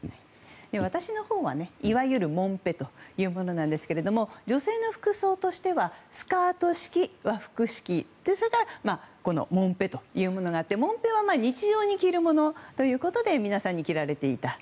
私のほうは、いわゆるもんぺというものなんですけど女性の服装としてはスカート式、和服式それからこのもんぺというものがあってもんぺは日常に着るものということで皆さんに着られていた。